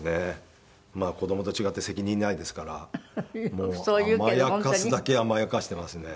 子供と違って責任ないですからもう甘やかすだけ甘やかしてますね。